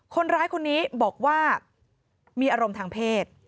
คนร้ายคนนี้บอกว่ามีอารมณ์ทางเพศ